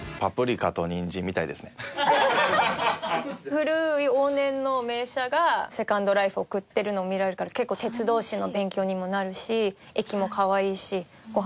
古い往年の名車がセカンドライフ送ってるのを見られるから結構鉄道史の勉強にもなるし駅も可愛いしごはんもおいしいし。